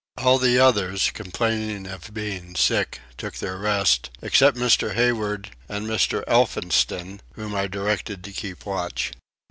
All the others, complaining of being sick, took their rest, except Mr. Hayward and Mr. Elphinston whom I directed to keep watch.